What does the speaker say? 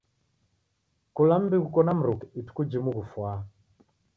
Kula mumbi ghuko na miruke ituku jimu ghufwaa.